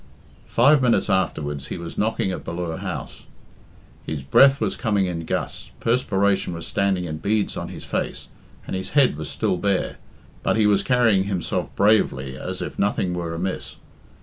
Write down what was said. Five minutes afterwards he was knocking at Ballure House. His breath was coming in gusts, perspiration was standing in beads on his face, and his head was still bare, but he was carrying himself bravely as if nothing were amiss.